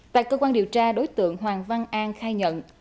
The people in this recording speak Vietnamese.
tại cơ quan điều tra đối tượng hoàng văn an khai nhận